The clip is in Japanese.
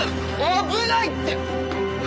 危ないって！